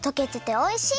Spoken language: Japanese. おいしい。